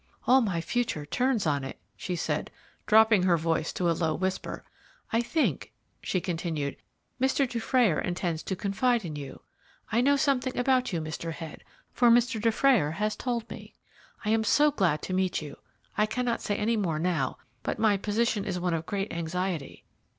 "All my future turns on it," she said, dropping her voice to a low whisper. "I think," she continued, "Mr. Dufrayer intends to confide in you. I know something about you, Mr. Head, for Mr. Dufrayer has told me. I am so glad to meet you. I cannot say any more now, but my position is one of great anxiety."